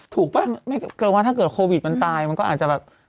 ถูกว่าถ้าเกิดโควิดมันตายมันก็อาจจะแบบ